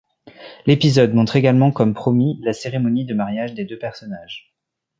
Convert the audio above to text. L'épisode montre également comme promis la cérémonie de mariage des deux personnages.